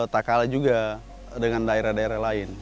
tak kalah juga dengan daerah daerah lain